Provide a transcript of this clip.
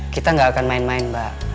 kita nggak akan main main mbak